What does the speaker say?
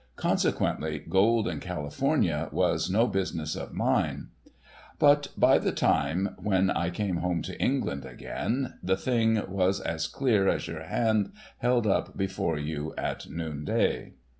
Consequently, gold in California was no business of mine. But, by the time when I came home to England again, the thing ii8 THE WRECK OF THE GOLDEN MARY was as clear as your liand held up before you at noonday.